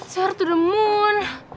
serta udah mon